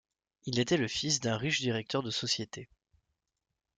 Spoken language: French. Il était le fils d'un riche directeur de société.